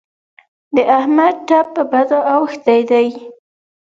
د احمد ټپ په بدو اوښتی دی.